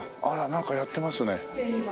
あらなんかやってますね。